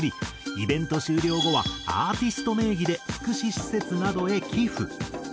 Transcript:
イベント終了後はアーティスト名義で福祉施設などへ寄付。